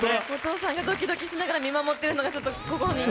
お父さんがドキドキしながら見守っているのがちょっと。